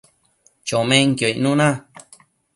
chomenquio icnuna